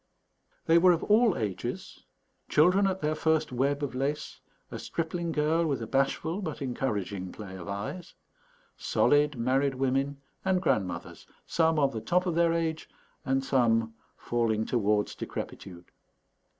They were of all ages: children at their first web of lace, a stripling girl with a bashful but encouraging play of eyes, solid married women, and grandmothers, some on the top of their age and some falling towards decrepitude.